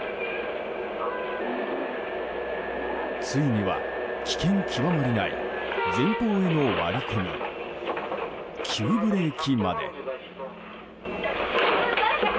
ついには危険極まりない前方への割り込み急ブレーキまで。